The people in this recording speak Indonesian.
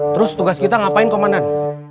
terus tugas kita ngapain komandan